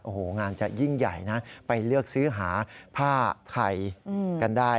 โอ้โหงานจะยิ่งใหญ่นะไปเลือกซื้อหาผ้าไทยกันได้